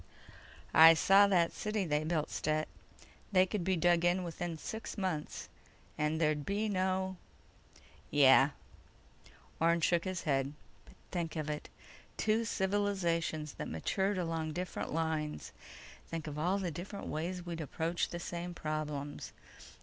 "I saw that city they built, Stet. They could be dug in within six months, and there'd be no—" "Yeah." Orne shook his head. "But think of it: Two civilizations that matured along different lines! Think of all the different ways we'd approach the same problems